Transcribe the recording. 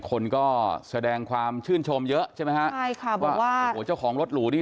คนก็แสดงความชื่นชมเยอะใช่ไหมฮะใช่ค่ะบอกว่าโอ้โหเจ้าของรถหรูนี่